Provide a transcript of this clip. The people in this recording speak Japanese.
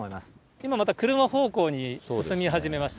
今また車方向に進み始めました。